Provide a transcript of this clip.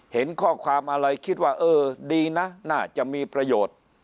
เห็นข้อความอะไรคิดว่าเออดีนะน่าจะมีประโยชน์